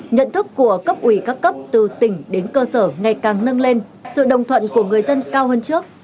nhận thức của cấp ủy các cấp từ tỉnh đến cơ sở ngày càng nâng lên sự đồng thuận của người dân cao hơn trước